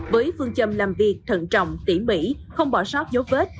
với phương châm làm việc thận trọng tỉ mỉ không bỏ sót dấu vết